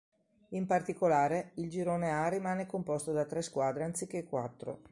In particolare, il Girone A rimane composto da tre squadre anziché quattro.